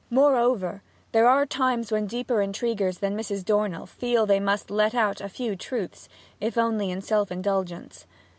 Moreover, there are times when deeper intriguers than Mrs. Dornell feel that they must let out a few truths, if only in self indulgence.